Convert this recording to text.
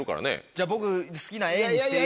じゃ僕好きなＡにして。